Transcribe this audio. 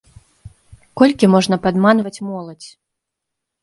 Колькі можна падманваць моладзь?!